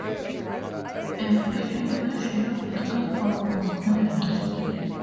A video version of the album was made.